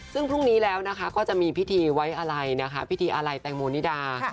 ซึ่งพรุ่งนี้แล้วนะคะก็จะมีพิธีไว้อะไรนะคะพิธีอะไรแตงโมนิดา